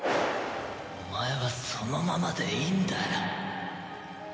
お前はそのままでいいんだよ。